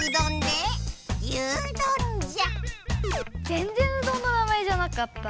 ぜんぜんうどんの名前じゃなかった。